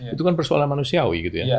itu kan persoalan manusiawi